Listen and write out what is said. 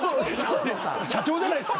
社長じゃないですか。